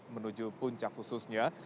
menuju puncak khususnya